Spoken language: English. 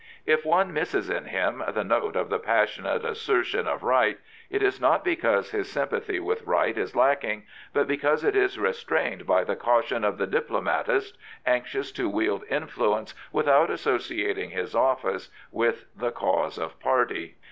If one misses in him the note of the passionate assertion of right, it is not because his sympathy with right is lacking, but because it is restrained by the caution of the diplomatist, anxious to wield influence without associating his office with the cause of party.